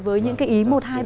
với những cái ý một hai ba bốn